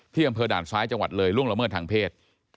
อำเภอด่านซ้ายจังหวัดเลยล่วงละเมิดทางเพศ